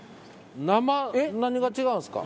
生何が違うんですか？